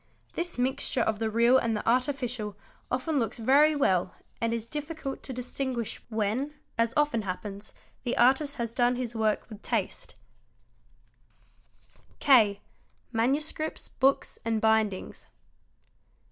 This mixture + of the real and the artificial often looks very well and is difficult to dis 'tinguish when, as often happens, the artist has done his work with taste, 840 CHEATING AND FRAUD K. Manuscripts, Books, and Bindings.